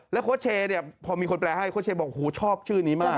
แล้วโค๊ดเชย์พอมีคนแปลให้โค๊ดเชย์บอกชอบชื่อนี้มาก